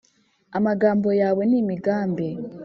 Amagambo yawe n'imigambi